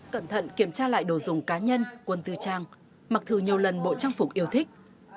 cẩn thận kiểm tra lại đồ dùng cá nhân quân tư trang mặc thư nhiều lần bộ trang phục yêu thích